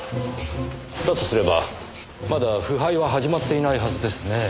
だとすればまだ腐敗は始まっていないはずですねぇ。